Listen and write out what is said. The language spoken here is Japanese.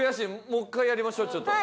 もう１回やりましょうちょっと。